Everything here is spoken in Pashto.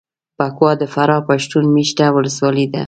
بکوا دفراه پښتون مېشته ولسوالي ده